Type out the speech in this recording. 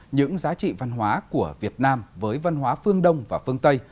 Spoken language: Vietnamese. những giá trị văn hóa của việt nam với văn hóa phương đông và phương tây